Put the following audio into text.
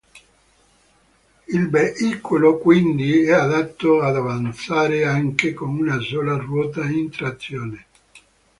Il veicolo quindi è adatto ad avanzare anche con una sola ruota in trazione.